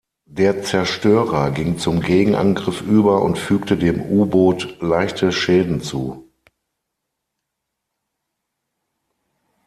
Der Zerstörer ging zum Gegenangriff über und fügte dem U-Boot leichte Schäden zu.